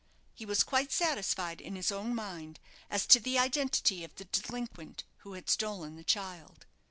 He was quite satisfied in his own mind as to the identity of the delinquent who had stolen the child.